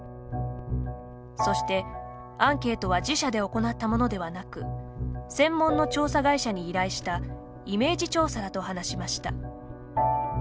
そして、アンケートは自社で行ったものではなく専門の調査会社に依頼したイメージ調査だと話しました。